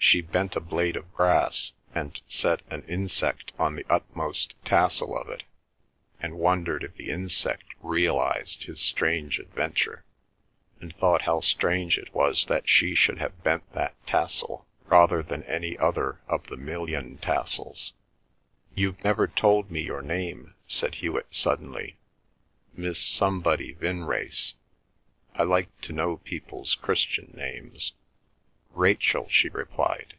She bent a blade of grass, and set an insect on the utmost tassel of it, and wondered if the insect realised his strange adventure, and thought how strange it was that she should have bent that tassel rather than any other of the million tassels. "You've never told me your name," said Hewet suddenly. "Miss Somebody Vinrace. ... I like to know people's Christian names." "Rachel," she replied.